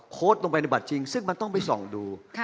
ลงไปในบัตรจริงซึ่งมันต้องไปส่องดู